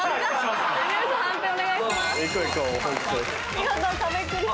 見事壁クリア。